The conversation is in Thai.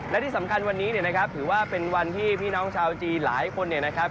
และที่สำคัญวันนี้เนี่ยนะครับถือว่าเป็นวันที่พี่น้องชาวจีนหลายคนเนี่ยนะครับ